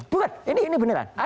bukan ini beneran